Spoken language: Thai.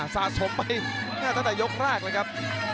สะสมไปตั้งแต่ยกแรกเลยครับ